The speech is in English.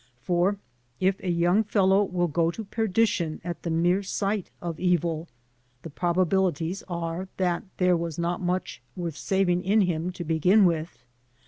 For if a yoimg fellow will go to perdition at the mere sight of evil, the probabilities are that there was not very much worth saving in him to begin with.